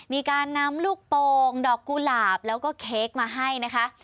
มีการนำลูกโป่งดอกกุหลาบแล้วก็เค้กมาให้นะคะ